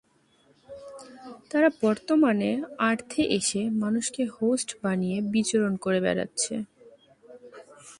তারা বর্তমানে আর্থে এসে মানুষকে হোস্ট বানিয়ে বিচরণ করে বেড়াচ্ছে।